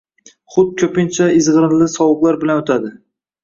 Hut koʻpincha izgʻirinli sovuqlar bilan oʻtadi.